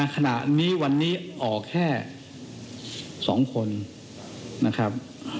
ขณะนี้วันนี้ออกแค่๒คนนะครับ